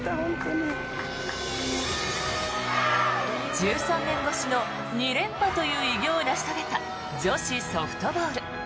１３年越しの２連覇という偉業を成し遂げた女子ソフトボール。